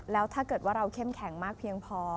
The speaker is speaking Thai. แล้วถ้าเกิดว่าเราเข้มแข็งมากเพียงพอ